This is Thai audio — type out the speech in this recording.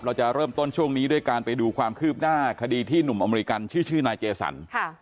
เราจะเริ่มต้นช่วงนี้ด้วยการไปดูความคืบหน้าคดีที่หนุ่มอเมริกันชื่อนายเจสัน